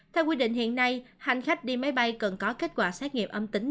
theo quy định hiện nay hành khách đi máy bay cần có kết quả xét nghiệm âm tính